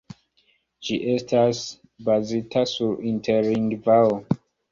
Ĝi estas bazita sur Interlingvao.